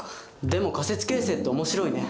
でも仮説形成って面白いね。